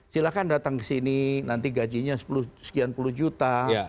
silahkan datang ke sini nanti gajinya sekian puluh juta